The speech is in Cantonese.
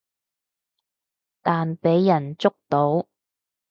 但畀人捉到